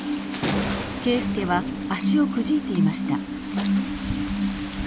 圭輔は足をくじいていました。